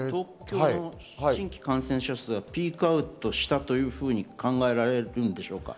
新規感染者数はピークアウトしたというふうに考えられるんでしょうか？